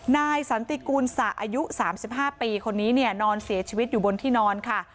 นายสันติกูลสะอายุ๓๕ปีคนนี้เนี่ยนอนเสียชีวิตอยู่บนที่นอนค่ะ